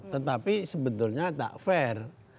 tetapi sebetulnya tak fair